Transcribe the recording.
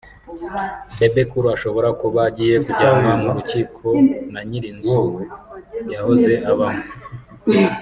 Bebe Cool ashobora kuba agiye kujyanwa mu rukiko na ny’iri nzu yahoze abamo